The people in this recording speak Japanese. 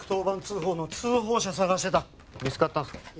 １１０番通報の通報者捜してた見つかったんすか？